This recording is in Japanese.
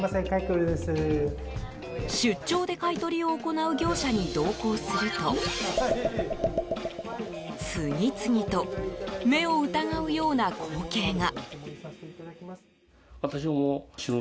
出張で買い取りを行う業者に同行すると次々と、目を疑うような光景が。